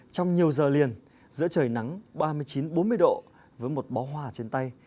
trong nhiều giờ liền giữa trời nắng ba mươi chín bốn mươi độ với một bó hoa trên tay